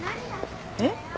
えっ？